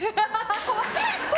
怖い。